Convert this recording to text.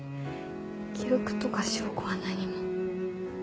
記録とか証拠は何も。